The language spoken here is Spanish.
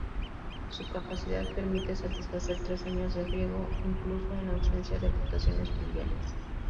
Su capacidad permite satisfacer tres años de riego incluso en ausencia de aportaciones fluviales.